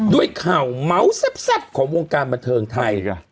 ด้วยข่าวเมาส์แซ่บของวงการบันเทิงไทยค่ะ